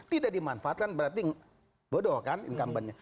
tidak dimanfaatkan berarti bodoh kan incumbentnya